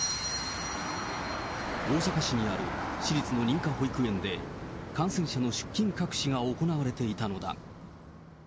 大阪市にある私立の認可保育園で、感染者の出勤隠しが行われていたのだ。